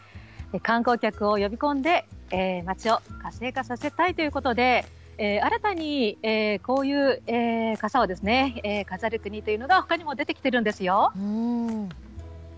観光客を呼び込んで、街を活性化させたいということで、新たにこういう傘を飾る国というのが、ほかにも出てきているんですよ。